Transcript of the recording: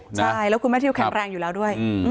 ใช่แล้วคุณแม่ทิวแข็งแรงอยู่แล้วด้วย